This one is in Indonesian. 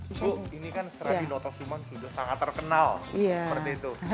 ibu ini kan serabi notosuman sudah sangat terkenal